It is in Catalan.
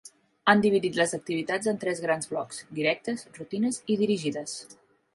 Han dividit les activitats en tres grans blocs: directes, rutines i dirigides.